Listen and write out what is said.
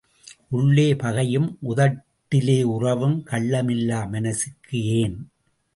உள்ளே பகையும் உதட்டிலே உறவும் கள்ளம் இல்லா மனசுக்கு ஏன்?